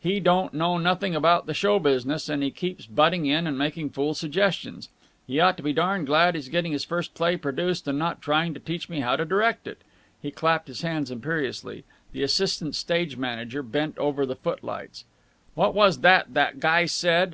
"He don't know nothing about the show business, and he keeps butting in and making fool suggestions. He ought to be darned glad he's getting his first play produced and not trying to teach me how to direct it." He clapped his hands imperiously. The assistant stage manager bent over the footlights. "What was that that guy said?